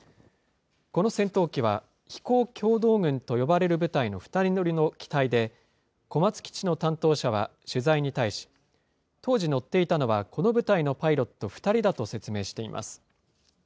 この戦闘機は、飛行教導群と呼ばれる部隊の２人乗りの機体で、小松基地の担当者は取材に対し、当時乗っていたのは、この部隊のパイロット２人だと説明しています。